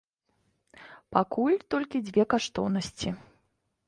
Пакуль толькі дзве каштоўнасці.